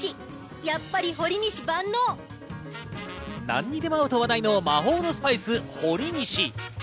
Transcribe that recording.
何にでも合うと話題の魔法のスパイス、ほりにし。